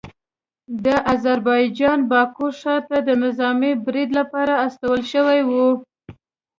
د اذربایجان باکو ښار ته د نظامي پریډ لپاره استول شوي وو